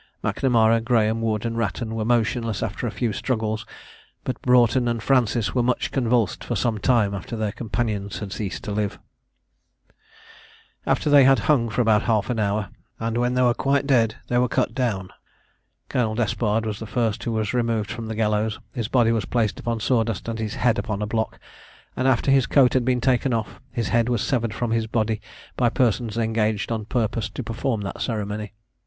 Macnamara, Graham, Wood, and Wratton were motionless after a few struggles, but Broughton and Francis were much convulsed for some time after their companions had ceased to live. After they had hung for about half an hour, and when they were quite dead, they were cut down. Colonel Despard was the first who was removed from the gallows; his body was placed upon sawdust, and his head upon a block; and after his coat had been taken off, his head was severed from his body by persons engaged on purpose to perform that ceremony.